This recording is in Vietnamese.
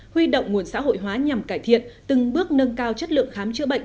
huy động nguồn xã hội hóa nhằm cải thiện từng bước nâng cao chất lượng khám chữa bệnh